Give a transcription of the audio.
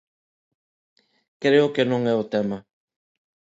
Creo que non é o tema.